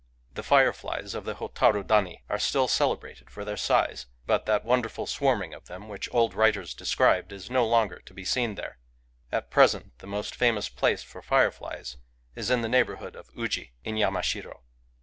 The fireflies of the Digitized by Googk FIREFLIES 143 Hotaru Dani are still celebrated for their size ; but that wonderful swarming of them, which old writers described, is no longer to be seen there. At pres ent the most famous place for fireflies is in the neighbourhood of Uji, in Yamashiro.